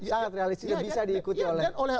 sangat realistis bisa diikuti oleh